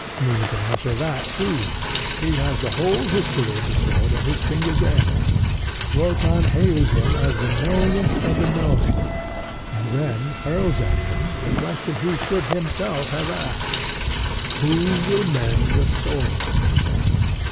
Mimmy can answer that too: he has the whole history of the sword at his fingers' ends. Wotan hails him as the knowingest of the knowing, and then hurls at him the question he should himself have asked: Who will mend the sword?